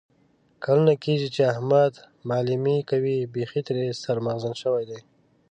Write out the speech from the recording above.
کلونه کېږي چې احمد معلیمي کوي. بیخي ترې سر مغزن شوی دی.